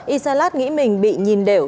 y salat nghĩ mình bị nhìn đều